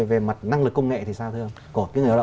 về mặt năng lực công nghệ thì sao thưa ông